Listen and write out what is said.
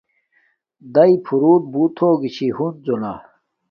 داݶݶ فروٹ بوت ہوگی چھی ہنزونا